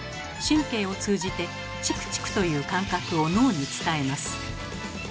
神経を通じて「チクチク」という感覚を脳に伝えます。